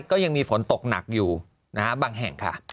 ก็ยังมีฝนตกหนักอยู่บางแห่งค่ะ